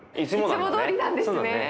いつもどおりなんですね。